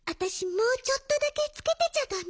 もうちょっとだけつけてちゃだめ？